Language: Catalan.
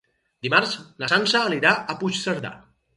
Dimarts na Sança anirà a Puigcerdà.